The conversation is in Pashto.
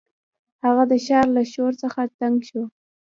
هغه د ښار له شور څخه تنګ شو.